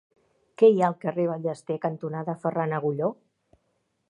Què hi ha al carrer Ballester cantonada Ferran Agulló?